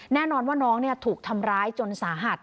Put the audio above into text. แน่นอนว่าน้องถูกทำร้ายจนสาหัส